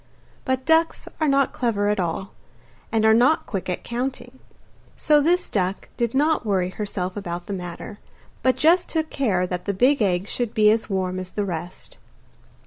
But ducks are not clever at all, and are not quick at counting, so this duck did not worry herself about the matter, but just took care that the big egg should be as warm as the rest.